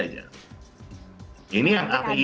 ini yang membuat anggaran pendidikan kita